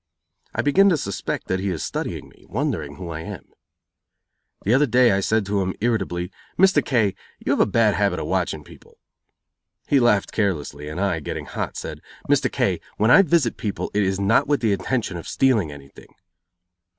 I begin to suspect that he is studying me, wondering who I am. The other day I said to him, irritably: "Mr. K , you have a bad habit of watching people." He laughed carelessly and I, getting hot, said: "Mr. K when I visit people it is not with the intention of stealing anything."